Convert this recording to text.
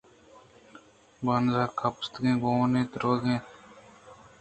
بانز ءَکپیس گون اَت ءُ رَوَگ ءَ اَت